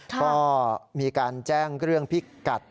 ก็มีการแจ้งเรื่องพิกัด